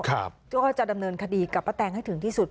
ก็จะดำเนินคดีกับป้าแตงให้ถึงที่สุด